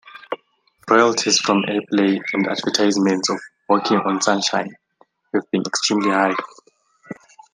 Royalties from airplay and advertisements of "Walking on Sunshine" have been extremely high.